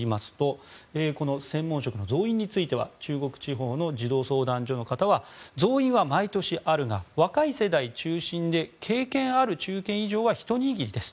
専門職の増員については中国地方の児童相談所の方は増員は毎年あるが若い世代中心で経験ある中堅以上はひと握りですと。